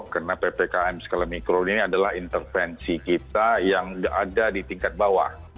karena ppkm skala mikro ini adalah intervensi kita yang ada di tingkat bawah